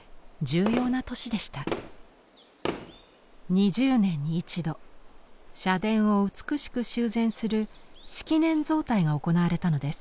２０年に１度社殿を美しく修繕する式年造替が行われたのです。